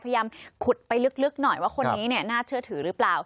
พยายามขุดไปลึกหน่อยว่าคนนี้น่าเชื่อถือหรือเปล่า